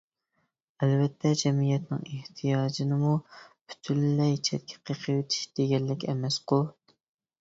ئەلۋەتتە جەمئىيەتنىڭ ئېھتىياجىنىمۇ پۈتۈنلەي چەتكە قېقىۋېتىش دېگەنلىك ئەمەسقۇ؟ !